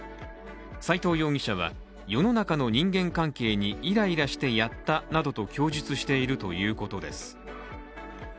斉藤容疑者は世の中の人間関係にイライラしてやったなどと供述しているといういことです。